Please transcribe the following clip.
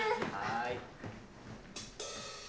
はい。